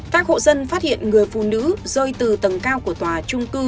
các hộ dân phát hiện người phụ nữ rơi từ tầng cao của tòa trung cư